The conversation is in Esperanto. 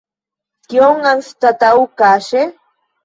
Kion anstataŭ kaŝe?